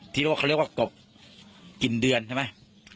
ว่าเขาเรียกว่ากบกินเดือนใช่ไหม